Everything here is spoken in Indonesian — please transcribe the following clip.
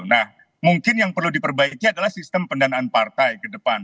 nah mungkin yang perlu diperbaiki adalah sistem pendanaan partai ke depan